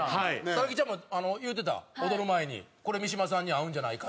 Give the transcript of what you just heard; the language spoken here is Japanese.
佐々木ちゃんも言うてた踊る前に「これ三島さんに合うんじゃないか」